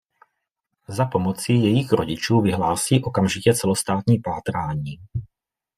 Za pomoci jejích rodičů vyhlásí okamžitě celostátní pátrání.